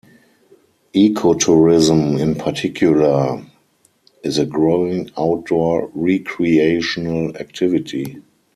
Ecotourism, in particular, is a growing outdoor recreational activity.